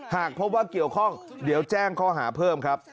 หากพบว่าเกี่ยวข้องเดี๋ยวแจ้งข้อหาเพิ่มครับ